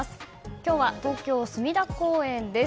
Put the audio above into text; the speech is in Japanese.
今日は東京・墨田公園です。